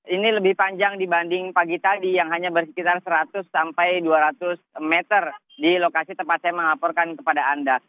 ini lebih panjang dibanding pagi tadi yang hanya berkitar seratus sampai dua ratus meter di lokasi tempat saya melaporkan kepada anda